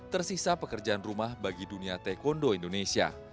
tersisa pekerjaan rumah bagi dunia taekwondo indonesia